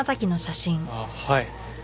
あっはい。